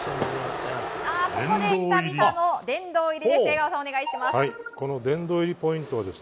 ここで久々の殿堂入りです。